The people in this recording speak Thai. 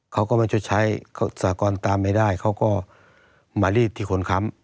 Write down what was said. เขาก็มาชดใช้สากรตามไม่ได้เขาก็มารีดที่คนค้ำ